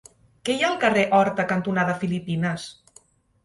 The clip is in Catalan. Què hi ha al carrer Horta cantonada Filipines?